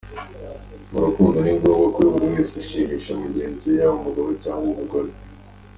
Mu rukundo ni ngombwa ko buri wese ashimisha mugenzi we yaba umugabo cyangwa umugore.